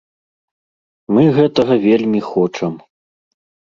Мы гэтага вельмі хочам.